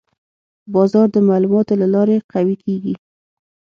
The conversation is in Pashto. بازار د معلوماتو له لارې قوي کېږي.